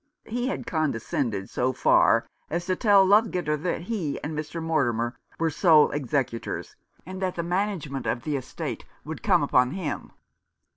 He had condescended so far as to tell Ludgater that he and Mr. Mortimer were sole executors, and that the management of the estate would come upon him.